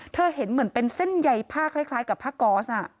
เห็นเหมือนเป็นเส้นใยผ้าคล้ายกับผ้าก๊อส